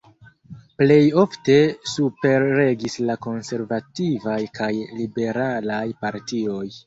Plej ofte superregis la konservativaj kaj liberalaj partioj.